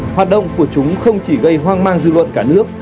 hoạt động của chúng không chỉ gây hoang mang dư luận cả nước